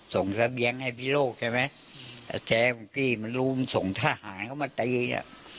ส่งสะเบียงให้พี่โลกใช่ไหมอาแจบังกี้มันรู้มันส่งทหารเข้ามาตายเนี่ย